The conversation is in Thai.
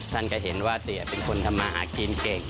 ท่านก็เห็นว่าเตี๋ยเป็นคนทำมาหากินเก่ง